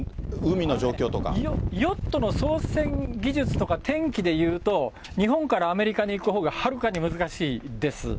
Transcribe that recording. ヨットの操船技術とか天気でいうと、日本からアメリカに行くほうがはるかに難しいです。